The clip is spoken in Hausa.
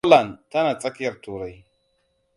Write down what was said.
Poland tana tsakiyar Turai.